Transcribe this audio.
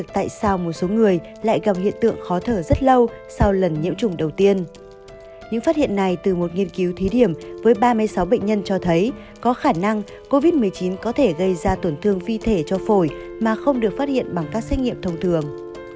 những phát hiện này từ một nghiên cứu thí điểm với ba mươi sáu bệnh nhân cho thấy có khả năng covid một mươi chín có thể gây ra tổn thương phi thể cho phổi mà không được phát hiện bằng các xét nghiệm thông thường